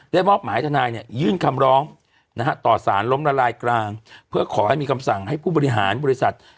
มอบหมายทนายเนี่ยยื่นคำร้องนะฮะต่อสารล้มละลายกลางเพื่อขอให้มีคำสั่งให้ผู้บริหารบริษัท